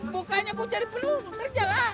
bukannya gue cari pelu kerjalah